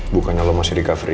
bukannya lo masih recovery